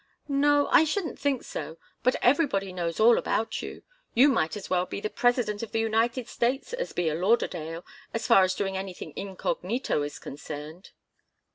"No. I shouldn't think so. But everybody knows all about you. You might as well be the President of the United States as be a Lauderdale, as far as doing anything incognito is concerned."